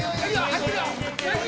入ってるよ！